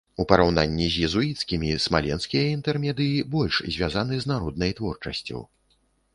У параўнанні з езуіцкімі смаленскія інтэрмедыі больш звязаны з народнай творчасцю.